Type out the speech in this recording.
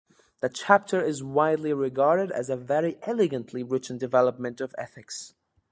This chapter is widely regarded as a very elegantly written development of ethics.